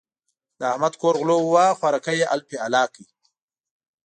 د احمد کور غلو وواهه؛ خوراکی يې الپی الا کړ.